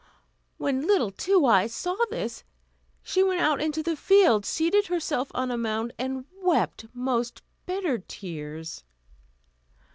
When little Two Eyes saw this, she went out into the field, seated herself on a mound, and wept most bitter tears.